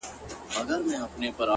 كه په رنگ باندي زه هر څومره تورېږم _